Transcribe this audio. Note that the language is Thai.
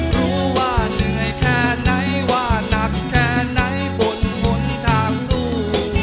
รู้ว่าเหนื่อยแค่ไหนว่านักแค่ไหนบ่นหนทางสู้